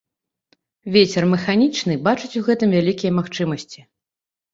Вецер Мэханічны бачыць у гэтым вялікія магчымасьці